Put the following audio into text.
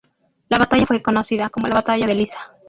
La batalla fue conocida como la batalla de Lissa.